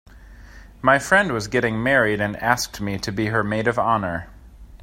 My friend was getting married and asked me to be her maid of honor.